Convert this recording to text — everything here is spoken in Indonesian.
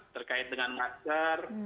terkait dengan masker